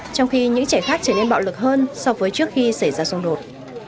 trong khi những trẻ khác trở nên bạo lực hơn so với trước khi xảy ra xung đột